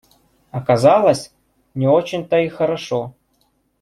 Оказалось — не очень то и хорошо.